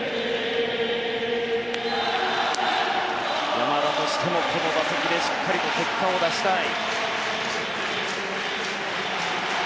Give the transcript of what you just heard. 山田としてもこの打席でしっかりと結果を出したい。